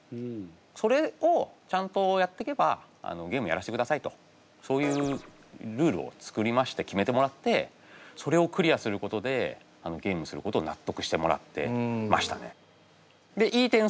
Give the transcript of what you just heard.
それをちゃんとやってけばゲームやらしてくださいとそういうルールを作りまして決めてもらってそれをクリアすることでゲームすることをなっとくしてもらってましたね。